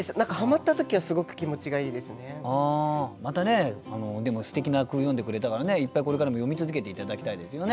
楽しいです何かまたねでもすてきな句詠んでくれたからねいっぱいこれからも詠み続けて頂きたいですよね。